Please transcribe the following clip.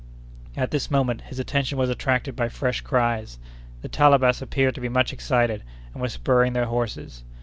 At this moment his attention was attracted by fresh cries. The Talabas appeared to be much excited, and were spurring their horses.